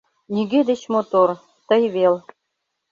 Нигӧ деч мотор — тый вел».